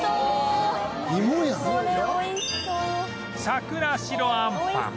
桜白あんぱんも